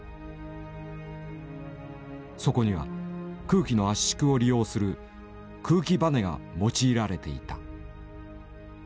そこには空気の圧縮を利用する「空気バネ」が用いられていた。